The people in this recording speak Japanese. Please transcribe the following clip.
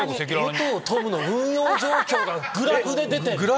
武藤十夢の運用状況がグラフで出てる！